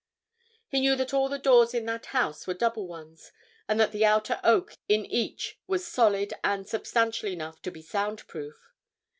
He knew that all the doors in that house were double ones, and that the outer oak in each was solid and substantial enough to be sound proof.